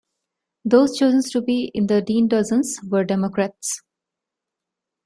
Those chosen to be in the Dean Dozens were Democrats.